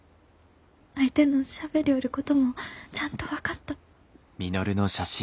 相手のしゃべりょおることもちゃんと分かった。